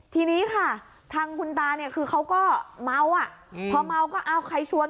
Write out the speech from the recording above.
ทีนี้ค่ะทางคุณตาคือเขาก็เม้าพอเม้าก็อ้าวใครชวน